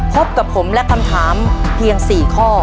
พบกับผมและคำถามเพียง๔ข้อ